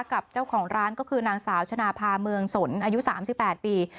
กับเจ้าของร้านก็คือนางสาวชนะพาเมืองสนอายุ๓๘ปี